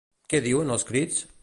Què diuen els crits?